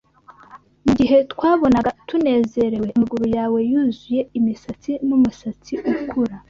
mugihe twabonaga tunezerewe amaguru yawe yuzuye imisatsi n'umusatsi ukura